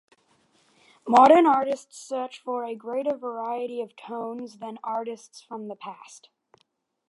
Modern artists search for a greater variety of tones than artists from the past.